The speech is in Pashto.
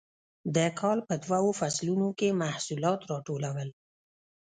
د کال په دوو فصلونو کې محصولات راټولول.